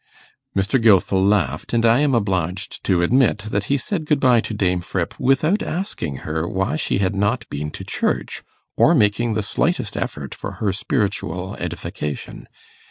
Mr. Gilfil laughed, and I am obliged to admit that he said good bye to Dame Fripp without asking her why she had not been to church, or making the slightest effort for her spiritual edification.